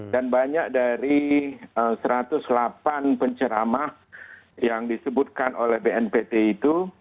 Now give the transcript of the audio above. dan banyak dari satu ratus delapan penceramah yang disebutkan oleh bnpt itu